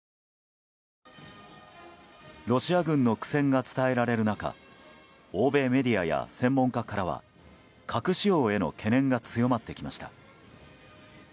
ロシア軍の苦戦が伝えられる中欧米メディアや専門家からは核使用への懸念が強まってきました。